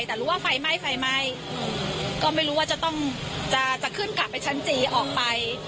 แต่รู้ว่าไฟไหม้ไฟไหม้ก็ไม่รู้ว่าจะต้องจะขึ้นกลับไปชั้นสี่ออกไป